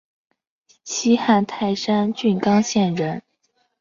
西汉泰山郡刚县人。